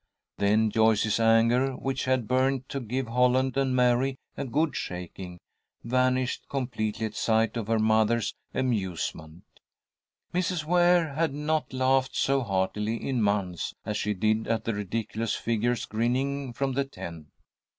Then Joyce's anger, which had burned to give Holland and Mary a good shaking, vanished completely at sight of her mother's amusement. Mrs. Ware had not laughed so heartily in months as she did at the ridiculous figures grinning from the tent.